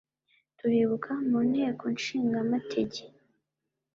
turibuka muntekoshingamatege.